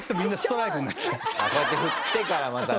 こうやって振ってからまたね。